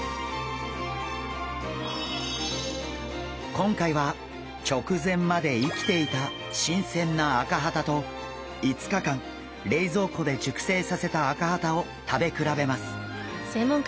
今回は直前まで生きていた新鮮なアカハタと５日間冷蔵庫で熟成させたアカハタを食べ比べます。